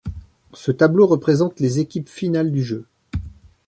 Ce tableau représente les équipes finales du jeu.